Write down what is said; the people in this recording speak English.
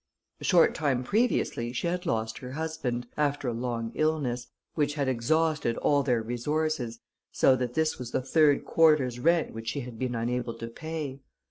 A short time previously, she had lost her husband, after a long illness, which had exhausted all their resources, so that this was the third quarter's rent which she had been unable to pay.